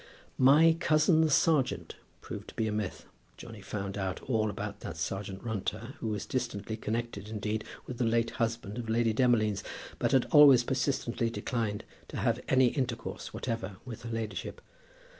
"My cousin, the serjeant," proved to be a myth. Johnny found out all about that Serjeant Runter, who was distantly connected, indeed, with the late husband of Lady Demolines, but had always persistently declined to have any intercourse whatever with her ladyship.